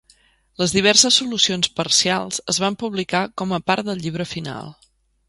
Les diverses solucions parcials es van publicar com a part del llibre final.